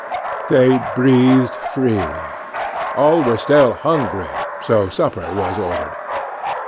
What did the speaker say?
They breathed freely, All were still hungry; so supper was ordered.